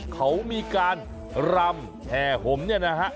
เขามีการรามแถ่ห่มเนี่ยนะครับ